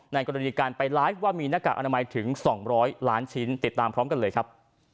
กรณีการไปไลฟ์ว่ามีหน้ากากอนามัยถึง๒๐๐ล้านชิ้นติดตามพร้อมกันเลยครับ